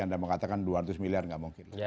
anda mengatakan dua ratus miliar nggak mungkin